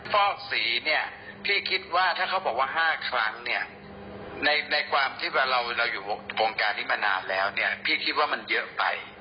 ฟอกสีเนี่ยพี่คิดว่าถ้าเขาบอกว่า๕ครั้งเนี่ยในความที่ว่าเราอยู่วงการนี้มานานแล้วเนี่ยพี่คิดว่ามันเยอะไป